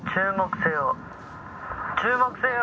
「注目せよ。